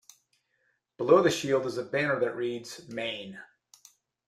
Below the shield is a banner that reads "Maine".